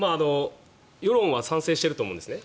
世論は賛成していると思うんですね。